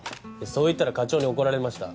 そう言ったら課長に怒られました。